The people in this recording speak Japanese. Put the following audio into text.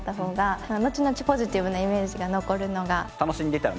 ポジティブなイメージが残るのが。